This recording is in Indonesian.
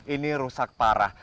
ini rusak parah